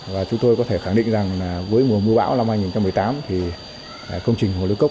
và chúng tôi có thể khẳng định rằng với mùa mưa bão năm hai nghìn một mươi tám thì công trình hồ lưu cốc